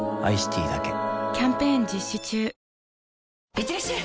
いってらっしゃい！